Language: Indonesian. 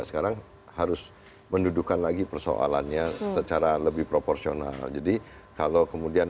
sekarang harus mendudukan lagi persoalannya secara lebih proporsional jadi kalau kemudian